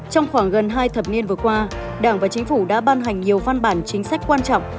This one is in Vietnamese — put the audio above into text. trong khoảng gần hai thập niên vừa qua đảng và chính phủ đã ban hành nhiều văn bản chính sách quan trọng